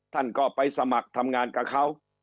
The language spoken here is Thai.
ท่านก็ไปสมัครทำงานกับเขา